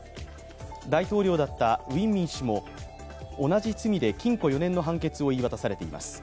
大統領だったウィン・ミン氏も同じ罪で禁錮４年の判決を言い渡されています。